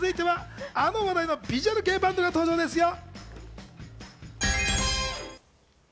続いてはあの話題のビジュアル系バンドが登場です。